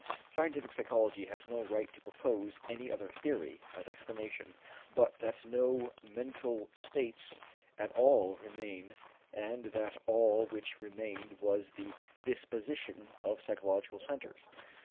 Scientific psychology has no right to propose any other theory as explanation but that no mental states at all remain and that all which remained was the disposition of physiological centers.